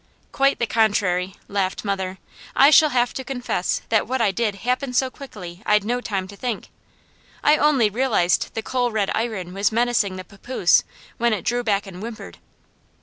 "Quite the contrary," laughed mother. "I shall have to confess that what I did happened so quickly I'd no time to think. I only realized the coal red iron was menacing the papoose when it drew back and whimpered.